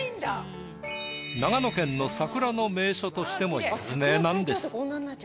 長野県の桜の名所としても有名なんです。